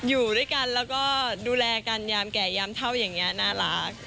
อยู่ด้วยกันแล้วก็ดูแลกันยามแก่ยามเท่าอย่างนี้น่ารัก